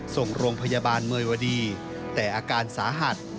ส่งโรงพยาบาลเมยวดีแต่อาการสาหัส